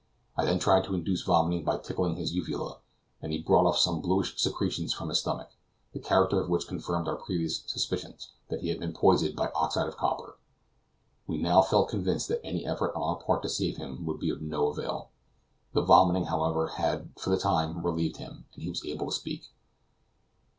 I then tried to induce vomiting by tickling his uvula, and he brought off some bluish secretion from his stomach, the character of which confirmed our previous suspicions that he had been poisoned by oxide of copper. We now felt convinced that any effort on our part to save him would be of no avail. The vomiting, however, had for the time relieved him, and he was able to speak.